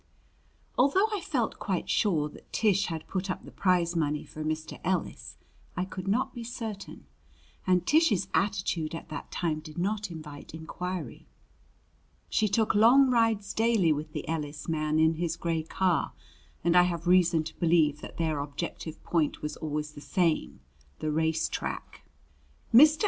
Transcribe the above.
IV Although I felt quite sure that Tish had put up the prize money for Mr. Ellis, I could not be certain. And Tish's attitude at that time did not invite inquiry. She took long rides daily with the Ellis man in his gray car, and I have reason to believe that their objective point was always the same the race track. Mr.